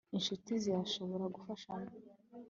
inshuti zirashobora gufashanya